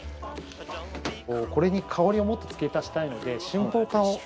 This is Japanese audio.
これに香りをもっと付け足したいので。